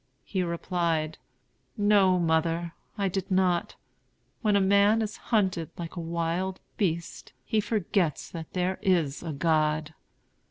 He replied: "No, mother, I did not. When a man is hunted like a wild beast, he forgets that there is a God."